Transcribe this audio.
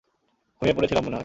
ঘুমিয়ে পড়েছিলাম মনে হয়।